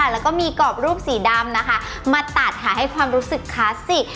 แล้วก็มีกรอบรูปสีดำนะคะมาตัดค่ะให้ความรู้สึกคลาสสิก